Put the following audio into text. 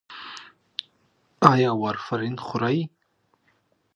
ایا وارفرین خورئ؟